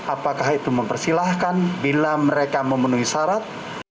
apakah itu mempersilahkan bila mereka memenuhi syarat